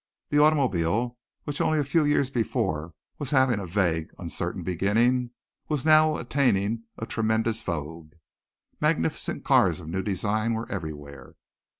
The automobile, which only a few years before was having a vague, uncertain beginning, was now attaining a tremendous vogue. Magnificent cars of new design were everywhere.